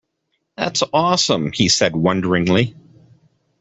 That’s awesome, he said wonderingly.